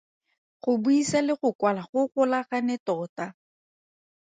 Go buisa le go kwala go golagane tota.